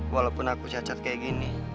walaupun aku cacat kayak gini